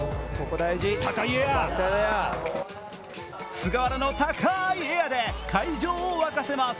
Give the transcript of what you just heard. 菅原の高いエアで会場を沸かせます。